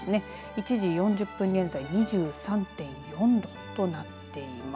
１時４０分現在２３．４度となっています。